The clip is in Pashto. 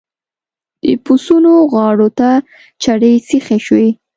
د پسونو غاړو ته چړې سيخې شوې.